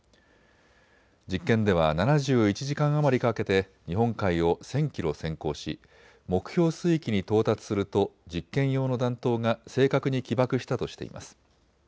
実験では７１時間余りかけて日本海を１０００キロ潜航し目標水域に到達すると実験用の弾頭が正確に起爆したとしています。